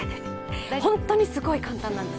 ホントにすごい簡単なんです。